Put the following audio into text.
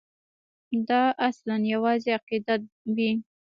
دا اصلاً یوازې عقیدت وي.